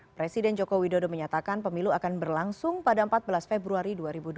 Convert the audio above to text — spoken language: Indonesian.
presiden joko widodo menyatakan pemilu akan berlangsung pada empat belas februari dua ribu dua puluh